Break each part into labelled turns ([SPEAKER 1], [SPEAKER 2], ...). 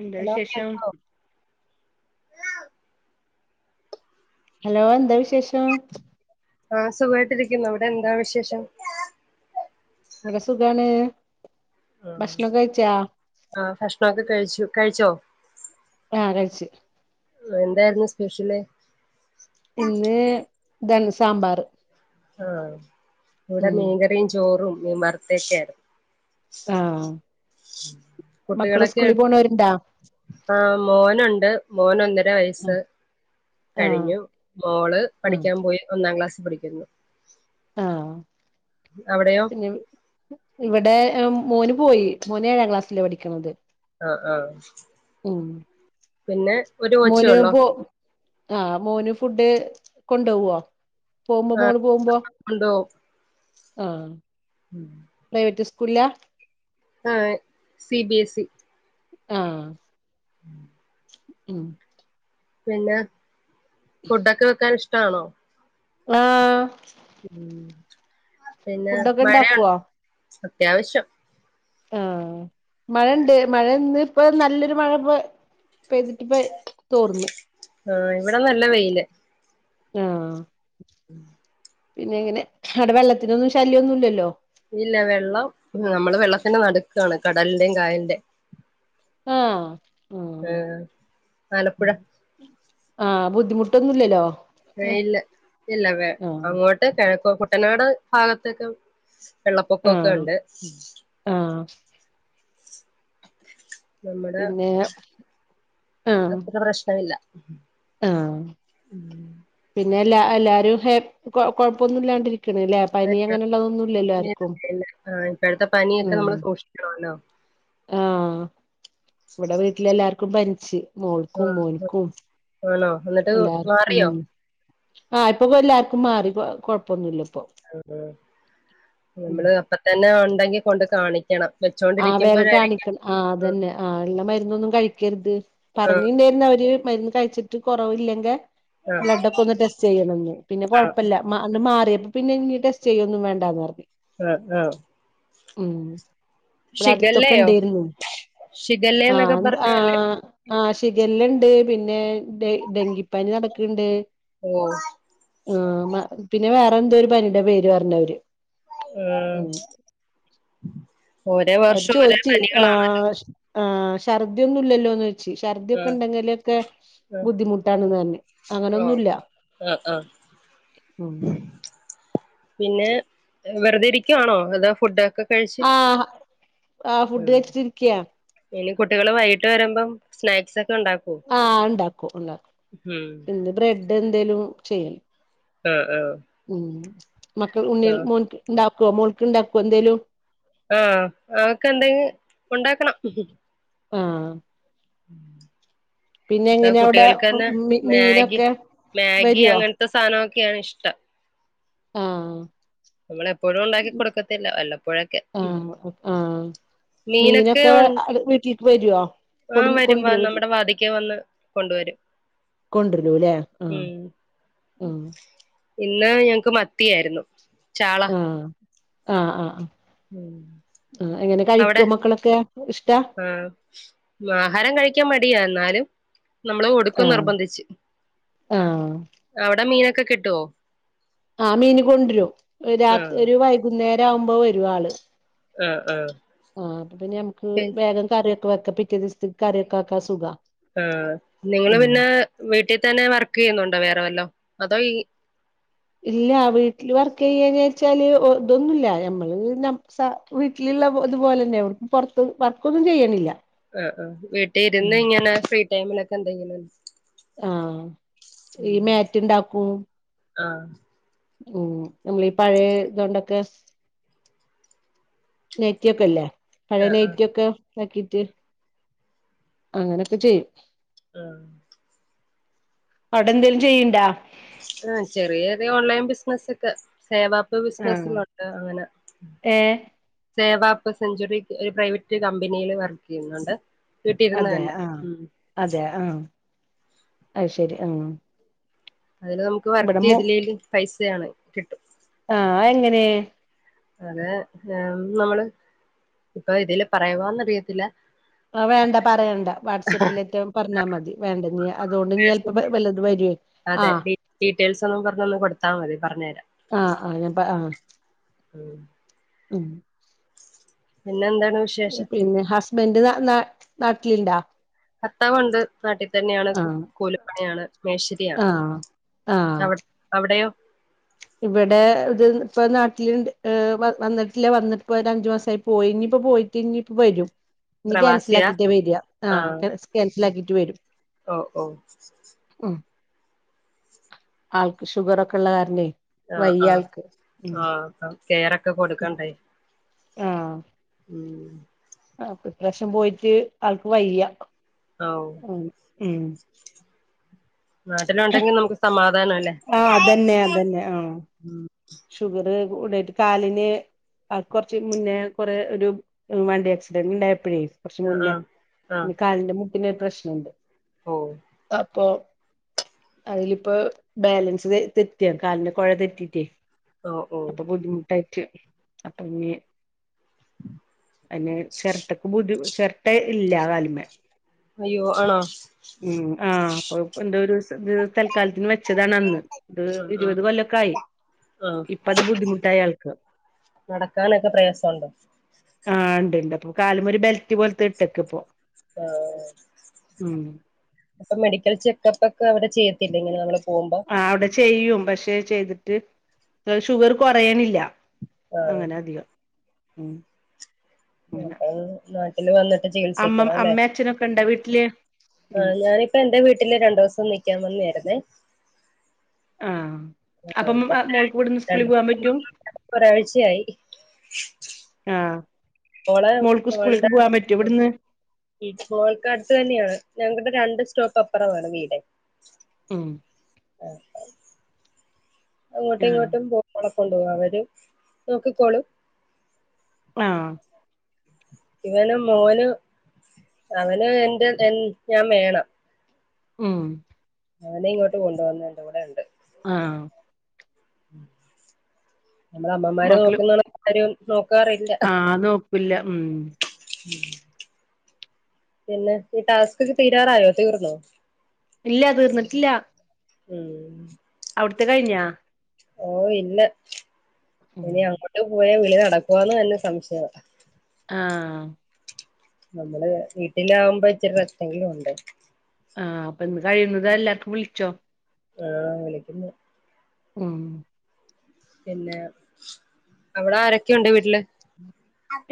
[SPEAKER 1] എന്ത
[SPEAKER 2] ഹലോ
[SPEAKER 1] വിശേഷം
[SPEAKER 2] കേൾക്കാവോ
[SPEAKER 1] ഹലോ എന്താ വിശേഷം
[SPEAKER 2] ആഹ് സുഖായിട്ടിരിക്കുന്നു അവിടെ എന്താ വിശേഷം
[SPEAKER 1] ഇവിടെ സുഖാണ് ഭക്ഷണൊക്കെ കഴിച്ചാ
[SPEAKER 2] ആ ഭക്ഷണൊക്കെ കഴിച്ചു കഴിച്ചോ
[SPEAKER 1] ആ കഴിച്
[SPEAKER 2] ആ എന്തായിരുന്നു സ്പെഷ്യല്
[SPEAKER 1] പിന്നേ ര സാമ്പാർ
[SPEAKER 2] ആഹ് ഇവിടെ
[SPEAKER 1] ഉം
[SPEAKER 2] മീൻകറിയും ചോറും മീ മറത്തൊക്കെ ആരുന്നു
[SPEAKER 1] ആ മക്കള്
[SPEAKER 2] കുട്ടികളൊക്കെ
[SPEAKER 1] സ്കൂളിൽ പോണോരുണ്ടാ
[SPEAKER 2] ആഹ് മോനുണ്ട് മോന ഒന്നര വയസ്സ്
[SPEAKER 1] ആഹ്
[SPEAKER 2] കഴിഞ്ഞു മോള്
[SPEAKER 1] ആഹ്
[SPEAKER 2] പഠിക്കാൻ പോയി ഒന്നാം ക്ലാസ്സ് പഠിക്കുന്നു
[SPEAKER 1] ആ
[SPEAKER 2] അവിടെയോ
[SPEAKER 1] പിന്നെ ഇവിടെ മോന് പോയി മോന് ഏഴാം ക്ലാസ്സില്ലേ പഠിക്കണത്
[SPEAKER 2] ആ ആ
[SPEAKER 1] ഉം
[SPEAKER 2] പിന്നെ ഒരു കൊച്ചേ
[SPEAKER 1] മോന്
[SPEAKER 2] ഉള്ളോ
[SPEAKER 1] പോ ആഹ് മോന് ഫുഡ് കൊണ്ടോവോ? പോവുമ്പോ മോള് പോവുമ്പോ ആഹ്
[SPEAKER 2] ഉം
[SPEAKER 1] പ്രൈവറ്റ് സ്കൂളിലാ?
[SPEAKER 2] ആഹ് സി ബി എസ് ഇ
[SPEAKER 1] ആഹ്
[SPEAKER 2] [inaudible]
[SPEAKER 1] ഉം
[SPEAKER 2] പിന്നെ ഫുഡൊക്കെ വെക്കാൻ ഇഷ്‌ടമാണോ?
[SPEAKER 1] ആഹ്
[SPEAKER 2] ഉം പിന്നെ
[SPEAKER 1] ഫുഡൊക്കെ
[SPEAKER 2] മഴ
[SPEAKER 1] ഇണ്ടാക്കുവോ
[SPEAKER 2] അത്യാവശ്യം
[SPEAKER 1] ആഹ് മഴണ്ട് മഴ ഇന്ന് ഇപ്പൊ നല്ലൊരു മഴ ഇപ്പ പെയ്തിട്ട് ഇപ്പൊ തോർന്ന്.
[SPEAKER 2] ആഹ് ഇവിടെ നല്ല വെയില്.
[SPEAKER 1] ആഹ്
[SPEAKER 2] [inaudible]
[SPEAKER 1] പിന്നെ എങ്ങനെ അവിടെ വെള്ളത്തിനൊന്നും ശല്യന്നുംല്ലല്ലോ?
[SPEAKER 2] ഇല്ല വെള്ളം നമ്മള് വെള്ളത്തിന് നടുക്കാണ്, കടലിന്റെയും കായലിൻ്റെം.
[SPEAKER 1] ആഹ്
[SPEAKER 2] ആഹ് ആലപ്പുഴ
[SPEAKER 1] ആഹ് ബുദ്ധിമുട്ടൊന്നുല്ലല്ലോ?
[SPEAKER 2] ഏയ്
[SPEAKER 1] ആഹ്
[SPEAKER 2] ഇല്ല ഇല്ല വെ അങ്ങോട്ട് കിഴക്ക് കുട്ടനാട് ഭാഗത്തൊക്കെ വെള്ളപ്പൊക്കൊക്കെ
[SPEAKER 1] ആഹ്
[SPEAKER 2] ഉണ്ട്
[SPEAKER 1] ആഹ്
[SPEAKER 2] നമ്മുടെ
[SPEAKER 1] പിന്നെ ആഹ്
[SPEAKER 2] അത്ര പ്രശ്നമില്ല.
[SPEAKER 1] ആഹ്
[SPEAKER 2] ഉം
[SPEAKER 1] പിന്നെ എല്ലാരും ഹേ കൊഴപ്പൊന്നും ഇല്ലാണ്ടിരിക്ണ് ലേ പനി അങ്ങനെുള്ളതൊന്നുംല്ലല്ലോ ആർക്കും
[SPEAKER 2] ആഹ് ഇപ്പോഴത്തെ പനിയൊക്കെ
[SPEAKER 1] ഉം
[SPEAKER 2] നമ്മള് സൂക്ഷിക്കണല്ലോ
[SPEAKER 1] ആഹ് ഇവിടെ വീട്ടിലെല്ലാർക്കും പനിച്ച്, മോൾക്കും
[SPEAKER 2] ആഹ്
[SPEAKER 1] മോൻക്കും
[SPEAKER 2] ആണോ? എന്നിട്ട് മാറിയോ?
[SPEAKER 1] ആഹ് ഇപ്പൊ എല്ലാർക്കും മാറി, കൊഴപ്പൊന്നുല്ല ഇപ്പൊ.
[SPEAKER 2] ആഹ് ആഹ്
[SPEAKER 1] ഉം
[SPEAKER 2] നമ്മള് അപ്പ തന്നെ ഉണ്ടെങ്കി കൊണ്ട് കാണിക്കണം വെച്ചോ
[SPEAKER 1] ആഹ് വേഗം കാണിക്കണം. ആഹ് അതന്നെ, ആഹ് ഉള്ള മരുന്നൊന്നും കഴിക്കരുത്
[SPEAKER 2] ആഹ്
[SPEAKER 1] പറഞ്ഞിണ്ടായിരുന്നു അവര് മരുന്ന് കഴിച്ചിട്ട് ട്ട് കൊറവില്ലെങ്കിൽ
[SPEAKER 2] ആഹ് ആഹ്
[SPEAKER 1] ബ്ലെഡ് ഒക്കെ ഒന്ന് ടെസ്റ്റ് ചെയ്യണംന്ന്, പിന്നെ
[SPEAKER 2] ആഹ്
[SPEAKER 1] കൊഴപ്പല്ല മാ അന്ന് മാറിയപ്പം പിന്നെ ഇനി ടെസ്റ്റ് ചെയ്യൊന്നും വണ്ടാന്ന് പറഞ്ഞു
[SPEAKER 2] ആഹ് ആഹ്
[SPEAKER 1] ഉം ഇവിടെ അടുത്തൊക്കെ
[SPEAKER 2] ഷിഗല്ലയോ
[SPEAKER 1] ണ്ടേരുന്നു.
[SPEAKER 2] ഷിഗല്ല എന്നൊക്കെ
[SPEAKER 1] ആഹ് ആ
[SPEAKER 2] പറഞ്ഞല്ലേ
[SPEAKER 1] ആഹ് ഷിഗല്ലേണ്ട്, പിന്നെ ഡെ ഡെങ്കിപ്പനി നടക്കണ്ട്
[SPEAKER 2] ഓഹ്
[SPEAKER 1] ആഹ് മാ പിന്നെ വേറെ എന്തോ ഒരു പനിടെ പേര് പറഞ്ഞവര്.
[SPEAKER 2] ആഹ്
[SPEAKER 1] ഉം അവര്
[SPEAKER 2] ഓരോ
[SPEAKER 1] ചോയ്ച്ച്,
[SPEAKER 2] പനികളാണ്
[SPEAKER 1] ആഹ് ആഹ് ശർദ്ദിയൊന്നും ഇല്ലല്ലോന്ന് ച്ച്, ശഛർദ്ദി ഒക്കെ
[SPEAKER 2] ആഹ്
[SPEAKER 1] ഉണ്ടെങ്കിലൊക്കെ
[SPEAKER 2] ആഹ്
[SPEAKER 1] ബുദ്ധിമുട്ടാണ്ന്ന് പറഞ്ഞ്,
[SPEAKER 2] ഓ
[SPEAKER 1] അങ്ങനൊന്നുല്ല.
[SPEAKER 2] ആഹ് ആഹ്
[SPEAKER 1] ഉം
[SPEAKER 2] പിന്നെ വെറുതെ ഇരിക്കുവാണോ അതൊ ഫുഡൊക്കെ കഴിച്ച
[SPEAKER 1] ആഹ് ആഹ് ഫുഡ് കഴിച്ചിട്ടിരിക്കയാ.
[SPEAKER 2] ഇനി കുട്ടികള് വൈകിട്ട് വരുമ്പം സ്നാക്സ് ഒക്കെ ഉണ്ടാക്കു
[SPEAKER 1] ആഹ് അഅ്ണ്ടാക്കൂ ഉണ്ടാക്കും. ഇന്ന് ബ്രെഡ് എന്തേലും ചെയ്യണം
[SPEAKER 2] ആ ആ
[SPEAKER 1] ഉം.. മക്കൾ ഉണ്ണിയൽ മോൻക് ഉണ്ടാക്കോ മോൾക്ക് ണ്ടാക്കോ എന്തേലും
[SPEAKER 2] ആഹ്.. അവൊക്കെന്തെങ്കി ഉണ്ടാക്കണം. ഹ് ഹ്
[SPEAKER 1] ആഹ്. പിന്നെ
[SPEAKER 2] ആ
[SPEAKER 1] എങ്ങനെയാ അവിടെ
[SPEAKER 2] കുട്ടികൾക്കന്നെ
[SPEAKER 1] മീ
[SPEAKER 2] മേഗി
[SPEAKER 1] മീനൊക്കെ
[SPEAKER 2] മേഗി
[SPEAKER 1] വരുവോ
[SPEAKER 2] അങ്ങൻ.. ത്ത സാനമൊക്കെയാണ് ഇഷ്ടം..
[SPEAKER 1] ആഹ്
[SPEAKER 2] നമ്മളെഎപ്പോഴും ഉണ്ടാക്കി കൊടുക്കത്തില്ല. വല്ലപ്പോഴൊക്കെ
[SPEAKER 1] ആഹ് ആഹ് മീനൊക്കെ അവ്ട്ക് വീട്ടീക്ക് വര്വോ...
[SPEAKER 2] ആഹ് വരും വ നമ്മുടെ വാതിക്കെ വന്ന് കൊണ്ടുവരും..
[SPEAKER 1] കൊണ്ട് രുലേ ഉം.. ഉം.
[SPEAKER 2] ഇന്ന് ഞങ്ങക്ക് മത്തിയായിരുന്നു.. ചാള
[SPEAKER 1] ആഹ്.. ആ അ..
[SPEAKER 2] ഉം
[SPEAKER 1] ആ എങ്ങനെ കഴിക്കോ മക്കളൊക്കെ ഇഷ്ടാ..
[SPEAKER 2] മാഹാരം കഴിക്കാൻ മടിയാ എന്നാലും, നമ്മള് കൊടുക്കും നിർബന്ധിച്ച്..
[SPEAKER 1] ആ. ഹ്.
[SPEAKER 2] അവിടെ മീനൊക്കെ കിട്ടുവോ..?
[SPEAKER 1] ആ മീന് കൊണ്ട്രും. ഒ
[SPEAKER 2] ആ
[SPEAKER 1] രാത് ഒരു വൈകുന്നേരാവുമ്പോ വരു ആള്..
[SPEAKER 2] ആ ആ
[SPEAKER 1] ആ.. അപ്പ പിന്നെ ഞമക്ക്
[SPEAKER 2] പി
[SPEAKER 1] വേഗം കറ്യൊക്.. വക്ക പിറ്റെ ദിവസ്‌ത്ത്ക്ക് കറിയൊക്കെ വെക്കാ സുഖ.
[SPEAKER 2] ആ നിങ്ങള് പിന്നെ വീട്ടി തന്നെ വർക്കെയ്യുന്നുണ്ടോ വേറെ വല്ലോ. അതോ ഈ..
[SPEAKER 1] ഇല്ല വീട്ടില് വർക്കയ്യെരാച്ചാല് ഒർതൊന്നുല്ല. ഞമ്മള്. ഞം സ. വീട്ടില്ള്ള തുപോലെന്നെ എവ്ട്ക്കും പൊർത്ത് വർക്കൊന്നും ചെയ്യണില്ല..
[SPEAKER 2] ആ ആ വീട്ടി ഇരുന്ന്
[SPEAKER 1] ഉം
[SPEAKER 2] ഇങ്ങനെ ഫ്രീ ടൈമിലൊക്കെ എന്തെങ്കിലും..
[SPEAKER 1] ആഹ്.. ഈ
[SPEAKER 2] ഉം
[SPEAKER 1] മാറ്റ് ണ്ടാക്കും..
[SPEAKER 2] ആ..
[SPEAKER 1] ഉം. നമ്മളീ പഴേ തോണ്ടൊക്കെ.. നൈറ്റിഒക്കല്ലേ.. പഴേ
[SPEAKER 2] ആ ആ
[SPEAKER 1] നൈറ്റിയൊക്കെ താക്കിട്ട് അങ്ങനെയൊക്കെ ചെയ്യും.
[SPEAKER 2] ആ..
[SPEAKER 1] അൗടെ എന്തേലും ചെയ്യ്ണ്ടാ..
[SPEAKER 2] ഉം.. ചെറ്യേ റിയ ഓൺലൈൻ ബിസിനസ്ക്കെ [unintelligible] പ്പൊ
[SPEAKER 1] ആഹ്
[SPEAKER 2] ബിസിനസ്ലൊണ്ട് അങ്ങനെ.. സേവാപ്പ് സെഞ്ച്വറി ഒരു പ്രൈവറ്റ് കമ്പനീല് വർക്ക്യ്യുന്നുണ്ട്..
[SPEAKER 1] അതെ ആഹ്.. അതെ ആഹ്.. അഅ് ശരി ആഹ്..
[SPEAKER 2] അതില്നമക്ക്
[SPEAKER 1] ഇവിടെ മോ
[SPEAKER 2] വർക്കെയ്തില്ലേലും പൈസയാണ് കിട്ടും..
[SPEAKER 1] ആ.. അഎങ്ങനെ..?
[SPEAKER 2] അങ്ങനെ നമ്മള് ഇപ്പൊ ഇതില് പറയവാന്നറിയത്തില്ല
[SPEAKER 1] ആ വേണ്ട പറയണ്ട. വാട്സപ്പിൽലെറ്റെ പറഞ്ഞാ മതി. വേണ്ടന്നി അതോണ്ട് നീ ചെല്പ വല്ലതും വര്വൊയ്
[SPEAKER 2] അതെ ഡീ ഡീറ്റെയിൽസൊന്നും പർഞ്ഞൊന്ന് കൊടുത്താ മതി. പർഞ്ഞരാ
[SPEAKER 1] ആ അങ്ങ പ ആ..
[SPEAKER 2] ഉം...
[SPEAKER 1] ഉം [inaudible]
[SPEAKER 2] പിന്നെന്താണ് വിശ്..
[SPEAKER 1] പ പിന്നെ ഹസ്ബന്റ് ന നാ നാട്ടിലിണ്ടാ..
[SPEAKER 2] ഫർത്താവുണ്ട്. നാട്ടിത്തനെയാണ് കൂലിപ്പണിയാണ്. മേശ് രിയാണ്.
[SPEAKER 1] ആ.
[SPEAKER 2] അവി അവിടെയോ?
[SPEAKER 1] ഇവടെ ഇത് ഇപ്പ നാട്ടില് ഏഹ് വന്ന്ട്ടില്ല വന്നിട്ടപ്പ അഞ്ചു മാസയി പോയി ഇനിപ്പോ പോയ് ട്ട്ഞ്ഞ്പ്പ വരും ഇഞ്ഞ്
[SPEAKER 2] പ്രവാസിയാ
[SPEAKER 1] ക്യാൻസലാക്കീറ്റാ വെരാ ആഹ് ക് ക്യാൻസലാക്കീറ്റ് വരും
[SPEAKER 2] ഓഹ് ഓഹ്
[SPEAKER 1] മ്മ് ആൾക്ക് ഷുഗറൊക്കെള്ള കാരണേ
[SPEAKER 2] ആഹ്
[SPEAKER 1] വയ്യ
[SPEAKER 2] ആഹ്
[SPEAKER 1] ആൾക്ക് ഉം
[SPEAKER 2] ആഹ് അപ്പ കെയറൊക്കെ കൊട്ക്കണ്ടേ
[SPEAKER 1] ആഹ്
[SPEAKER 2] ഉം
[SPEAKER 1] അപ്പൊ ഇപ്രാശ്യം പോയിട്ട് ആൾക്ക് വെയ്യാ
[SPEAKER 2] ആഹ്
[SPEAKER 1] ഉം മ്മ്
[SPEAKER 2] നാട്ടിലുണ്ടെങ്കി നമുക്ക് സമാധാനല്ലേ
[SPEAKER 1] ആഹ് അതന്നെ അതന്നെ ആഹ്
[SPEAKER 2] ഉം
[SPEAKER 1] ഷുഗർ കൂടായിട്ട് കാലിന് ആൾക്ക് കൊറച്ച് മുന്നേ കൊറെ ഒരു വണ്ടി ആക്സിഡന്റ്ണ്ടായപ്പഴേ കൊറച്ച്
[SPEAKER 2] ആ
[SPEAKER 1] മുന്നേ
[SPEAKER 2] ആ
[SPEAKER 1] കാലിന്റെ മുട്ടിനൊരു പ്രശ്നണ്ട്
[SPEAKER 2] ഓഹ്
[SPEAKER 1] അപ്പൊ അയ്ലിപ്പോ ബാലൻസ് തെ തെറ്റ കാലിന്റെ കൊഴ തെറ്റീട്ടേ
[SPEAKER 2] ഓ ഓ
[SPEAKER 1] അപ്പൊ ബുദ്ധിമുട്ടായിട്ട് അപ്പഞ്ഞ് അങ്ങനെ ചേരട്ടക്ക് ബുദ്ധിമു ചേര്ട്ട ഇല്ല കാല്മ്മേ
[SPEAKER 2] അയ്യോ ആണോ
[SPEAKER 1] ഉം ആഹ് അപ്പൊ എന്തോ ഒര് [unintelligible] തൽക്കാലത്തിന് വെച്ചതാണ് അന്ന് ഇത്
[SPEAKER 2] ആ ആ
[SPEAKER 1] ഇരുപത് കൊല്ലോക്കെ ആയി
[SPEAKER 2] ആ
[SPEAKER 1] ഇപ്പത് ബുദ്ധിമുട്ടായാൾക്ക്
[SPEAKER 2] നടക്കാനൊക്കെ പ്രയാസമുണ്ടോ
[SPEAKER 1] ആഹ് ഇണ്ട്ണ്ട് അപ്പൊ കാലമൊരു ബെൽറ്റ് പോലത്തെ ഇട്ടക്കപ്പോ
[SPEAKER 2] ആഹ് അപ്പ മെഡിക്കൽ ചെക്കപ്പോക്കെ അവടെ ചെയ്യത്തില്ലേ ഇങ്ങനെ നമ്മള് പോവുമ്പം
[SPEAKER 1] ആഹ് അവിടെ ചെയ്യും പക്ഷെ ചെയ്തിട്ട് ഷുഗറ് കൊറയ്ണില്ല
[SPEAKER 2] ആ
[SPEAKER 1] അങ്ങനധികം ഉം അങ്ങനെ
[SPEAKER 2] അപ്പൊ നാട്ടില് വന്നിട്ട്
[SPEAKER 1] അമ്മ
[SPEAKER 2] ചികിത്സിക്കണം
[SPEAKER 1] അമ്മ അച്ഛനൊക്കെണ്ടോ വീട്ടില് ഉം
[SPEAKER 2] ആഹ് ഞാനിപ്പ എന്റെ വീട്ടില് രണ്ടൂസം നിക്കാൻ വന്നായിരുന്നേ
[SPEAKER 1] ആഹ്
[SPEAKER 2] ആ
[SPEAKER 1] അപ്പം
[SPEAKER 2] ഇപ്പം
[SPEAKER 1] മോൾക്ക് ഇവിടെന്ന് സ്കൂളി
[SPEAKER 2] രണ്ട്
[SPEAKER 1] പോവാൻ പറ്റും
[SPEAKER 2] ഒരാഴ്ചയായി
[SPEAKER 1] ആഹ്
[SPEAKER 2] മോളെ
[SPEAKER 1] മോൾക്ക് സ്കൂള്ക്ക് പോവാൻ പറ്റൊ ഇവിട്ന്ന്
[SPEAKER 2] കോഴ്ക്കാട്ത്തി തന്നെയാണ് ഞങ്ങള്ത് രണ്ട് സ്റ്റോപ്പ് അപ്പുറവാണ് വീടെ
[SPEAKER 1] ഉം
[SPEAKER 2] അങ്ങോട്ടും
[SPEAKER 1] ആഹ്
[SPEAKER 2] ഇങ്ങോട്ടും പോകുമ്പോളെ കൊണ്ടോവും അവര് നോക്കിക്കോളും
[SPEAKER 1] ആഹ്
[SPEAKER 2] ഇവന് മോന് അവന് എന്റെ എൻ ഞാൻ വേണം
[SPEAKER 1] ഉം
[SPEAKER 2] മോനെ ഇങ്ങോട്ട് കൊണ്ടുവന്നേ എന്റെ കൂടെണ്ട്
[SPEAKER 1] ആഹ്
[SPEAKER 2] [unintelligible] നമ്മള് അമ്മമാര്
[SPEAKER 1] മക്കള്
[SPEAKER 2] നോക്ക്ന്നണക്ക് ആരും നോക്കാറില്ല
[SPEAKER 1] ആഹ് നൊ ക്കില്ലാ ഉം
[SPEAKER 2] ഉം പിന്നെ ഈ ടാസ്കൊക്കെ തീരാറായോ തീർന്നോ
[SPEAKER 1] ഇല്ല തീർന്നിട്ടില്ല
[SPEAKER 2] ഹമ്.
[SPEAKER 1] അവ്ടുത്തെ കഴിഞ്ഞാ?
[SPEAKER 2] ഓ ഇല്ല,
[SPEAKER 1] ഉം
[SPEAKER 2] ഇനി അങ്ങോട്ട് പോയാ വിളി നടക്കൂന്ന് തന്നെ സംശയാ.
[SPEAKER 1] ആഹ്‌.
[SPEAKER 2] നമ്മള് വീട്ടിലാവുംമ്പോ ഇച്ചിരി റസ്റ്റ്‌ങ്കിലും ഉണ്ട്.
[SPEAKER 1] ആഹ്‌, അപ്പൊ ഇന്ന് കഴിയുന്നതും എല്ലാർക്കും വ്ൾച്ചോ.
[SPEAKER 2] ആഹ്‌, വിളിക്കുന്നു.
[SPEAKER 1] ഉം.
[SPEAKER 2] പിന്നെ അവടെ ആരൊക്കെയുണ്ട് വീട്ടില്?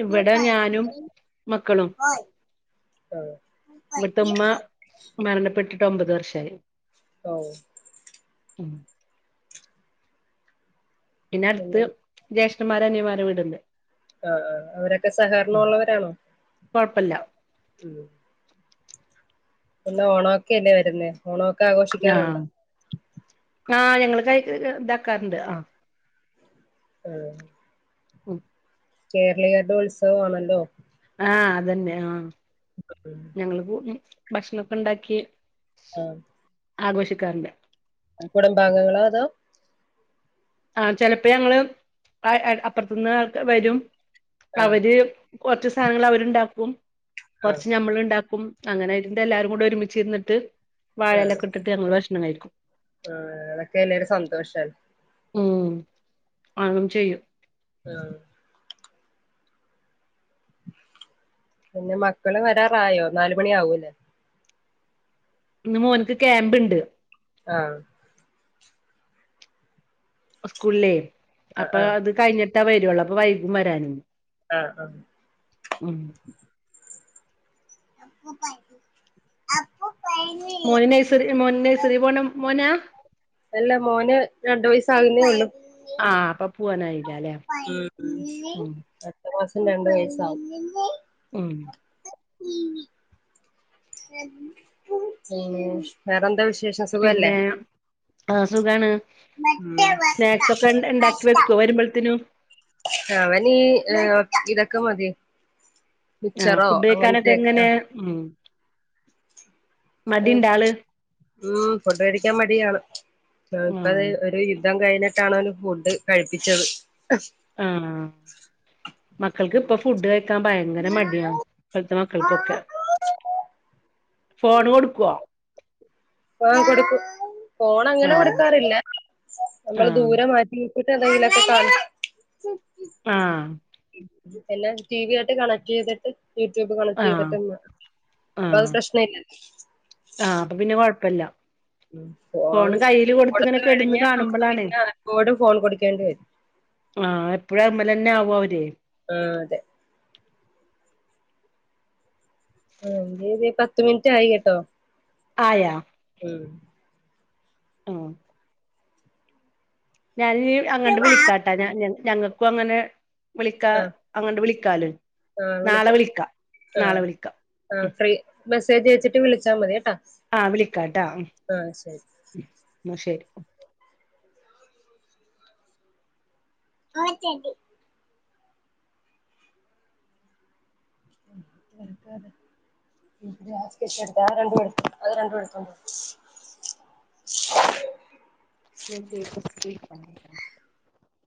[SPEAKER 1] ഇവടെ ഞാനും മക്കളും.
[SPEAKER 2] ആഹ്‌.
[SPEAKER 1] ഇവ്ടുത്തെമ്മ മരണപ്പെട്ടിട്ട് ഒമ്പത് വർഷായി.
[SPEAKER 2] ഓ.
[SPEAKER 1] ഉം. പിന്നെ അട്ത്ത് ജ്യേഷ്ഠന്മാരേ അനിയൻ മാരെ വീട്ണ്ട്.
[SPEAKER 2] ആഹ്‌ ആ അവരൊക്കെ സഹകര്ണൊള്ള വരാണോ?
[SPEAKER 1] കൊഴ്പ്പല്ല.
[SPEAKER 2] ഉം. പിന്ന ഓണോക്കെല്ലേ വരുന്നേ, ഓണൊക്കെ ആഘോഷിക്കാറുണ്ടോ?
[SPEAKER 1] ആഹ്‌ ഞങ്ങള് കൈ ഇതാക്കാറുണ്ട് ആഹ്‌.
[SPEAKER 2] ആഹ്‌.
[SPEAKER 1] ഉം.
[SPEAKER 2] കേരളീയരുടെ ഉത്സവമാണല്ലോ.
[SPEAKER 1] ആഹ്‌ അതന്നെ ആഹ്‌.
[SPEAKER 2] [inaudible]
[SPEAKER 1] ഞങ്ങള്പ്പോ, ഭക്ഷണൊക്കെ ഉണ്ടാക്കി
[SPEAKER 2] ആ
[SPEAKER 1] ആഘോഷിക്കാറില്ലാ.
[SPEAKER 2] കുടബാംഗങ്ങളോ അതോ
[SPEAKER 1] ആ ചെലപ്പോ ഞങ്ങള് അ അ അപ്പർത്ത്ന്ന് ക്കെ വരും
[SPEAKER 2] ആ
[SPEAKER 1] അവര് കൊർച്ച് സാനങ്ങള് അവര്ണ്ടാക്കും,
[SPEAKER 2] ആ
[SPEAKER 1] കൊർച്ച് ഞമ്മള് ണ്ടാക്കും. അങ്ങനൊയിട്ട് എല്ലാരും കൂടെ ഒരുമിച്ചിരുന്നിട്ട് വാഴലക്കെ ഇട്ടിട്ട് ഞങ്ങള് ഭക്ഷണം കഴിക്കും.
[SPEAKER 2] ആഹ്‌, അതൊക്കെ എല്ലരു സന്തോഷം.
[SPEAKER 1] ഉം [unintelligible] ചെയ്യും
[SPEAKER 2] ആഹ്‌. പിന്നെ മക്കള് വരാറായോ? നാല് മണി ആവൂല്ലേ?
[SPEAKER 1] ഇന്ന് മോൻക്ക് ക്യാമ്പ് ഇണ്ട്.
[SPEAKER 2] ആഹ്‌.
[SPEAKER 1] സ്കൂളിലേ
[SPEAKER 2] ആ
[SPEAKER 1] അപ്പൊ
[SPEAKER 2] ആ
[SPEAKER 1] അത് കഴിഞ്ഞിട്ടേ വരുള്ളൂ അപ്പൊ വൈകും വരാനും.
[SPEAKER 2] ആഹ്‌ ആ.
[SPEAKER 1] ഉം
[SPEAKER 2] [unintelligible]
[SPEAKER 1] മോന് നെഴ്സറി മോന് നെഴ്സറി പോണ മോനാ?
[SPEAKER 2] അല്ല മോന് രണ്ട് വയസ്സാകുന്നേ ഒള്ളു.
[SPEAKER 1] ആ അപ്പൊ പോവ്വാനായില്ല ലെ.
[SPEAKER 2] ഉം അട്ത്ത മാസം രണ്ട് വയസാകും.
[SPEAKER 1] ഉം
[SPEAKER 2] [inaudible] വേറെന്താ വിശേഷം സുഖല്ലേ?
[SPEAKER 1] ആഹ്‌ സുഖാണ്, സ്നാക്സ ഒക്കെ ണ്ടാക്കി വെകോ വരുമ്പോഴ്ത്തിനും?
[SPEAKER 2] അവനീഈ ഇതൊക്കെ മതി.
[SPEAKER 1] ആഹ
[SPEAKER 2] മിച്ചറോ
[SPEAKER 1] ഫുഡ് വെക്കാനൊക്കെ എങ്ങനെ
[SPEAKER 2] അങ്ങനത്തെയൊക്കെ
[SPEAKER 1] ഉ മടിണ്ടാള്?
[SPEAKER 2] ഉം ഫുഡ് കടിക്കാൻ മടിയാണ് നക്കത്
[SPEAKER 1] ആഹ്
[SPEAKER 2] ഒരു യുദ്ധം കഴിഞ്ഞി ഫുഡ് കഴിപ്പിച്ചത്.
[SPEAKER 1] ആഹ. മക്കൾക്ക് ഇപ്പൊ ഫുഡ് കഴക്കാൻ ഭയങ്കര മടിയാണ് ഇപ്പൾത്തെ മക്കൾക്കൊക്കെ. ഫോൺ കൊടുക്കുവോ?
[SPEAKER 2] ആ കൊടുക്കും ഫോൺങ്ങനെ
[SPEAKER 1] ആഹ്
[SPEAKER 2] കൊടുക്കാറില്ല നമ്മള്
[SPEAKER 1] ആഹ്
[SPEAKER 2] ദൂരെ മാറ്റി ട്ടിട്ടെന്തെങ്കിലും ഒക്കെ കാണി
[SPEAKER 1] ആഹ.
[SPEAKER 2] പിന്നെ ടി വി യിലോട്ട് കണക്ട് ചെയ്തിട്ട്. യൂട്യൂബ് കണക്ട്
[SPEAKER 1] ആഹ്
[SPEAKER 2] ചെയ്തിട്ട അപ്പൊ അത്
[SPEAKER 1] ആഹ്
[SPEAKER 2] പ്രശ്ന ഇല്ലല്ല.
[SPEAKER 1] ആഹ് അപ്പൊ പിന്നെ കുഴപ്പല്ല.
[SPEAKER 2] ഉ ഫോൺ കൊടുത്ത
[SPEAKER 1] കെടന്ന്
[SPEAKER 2] കഴിഞ്ഞാ നമുക്ക്
[SPEAKER 1] കാണുമ്പളാണ്
[SPEAKER 2] പിന്നെ അപ്പോഴും ഫോൺ കൊടുക്കേണ്ടി വരും.
[SPEAKER 1] ആഹ എപ്പോഴും അവ്മ്മലന്നെ ആവും അവര്.
[SPEAKER 2] ആ അതെ. ആ ഇത് പത് മിനിറ്റ് ആയി കേട്ടോ.
[SPEAKER 1] ആയാ.
[SPEAKER 2] ഉം.
[SPEAKER 1] ആ. ഞാനിഞ്ഞി അങ്ങണ്ട് വിളിക്കാട്ടാ ഞങ്ങൾക്കും അങ്ങനെ വിളിക്കാ
[SPEAKER 2] ആ
[SPEAKER 1] അങ്ങണ്ട് വിളിക്കാലിം.
[SPEAKER 2] ആ
[SPEAKER 1] നാളെ
[SPEAKER 2] വിളിക്കാം
[SPEAKER 1] വിളിക്ക
[SPEAKER 2] ആ
[SPEAKER 1] നാളെ വിളിക്ക.
[SPEAKER 2] ആ ഫ്രീ മെസ്സേജ് അയച്ചിട്ട് വിളിച്ചാൽ മതി കേട്ടാ.
[SPEAKER 1] ആ വിളിക്കാട്ടാ
[SPEAKER 2] ആ ശരി.
[SPEAKER 1] ശരി.
[SPEAKER 2] [inaudible] അതെ. എടുത്ത അത് രണ്ടും എണ്ട് അത് രണ്ടും എടുത്തണ്ട്വാ. [inaudible]
[SPEAKER 1] [unintelligible]